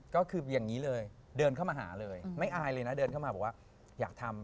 ก็คืออย่างนี้เลยเดินเข้ามาหาเลยไม่อายเลยนะเดินเข้ามาบอกว่าอยากทำ